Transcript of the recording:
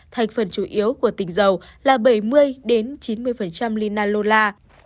thành phần chủ yếu của tinh dầu là bảy mươi chín mươi linaloola